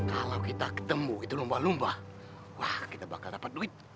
kalau kita ketemu itu lumba lumba wah kita bakal dapat duit